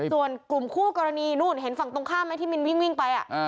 ส่วนกลุ่มคู่กรณีนู่นเห็นฝั่งตรงข้ามไหมที่มินวิ่งไป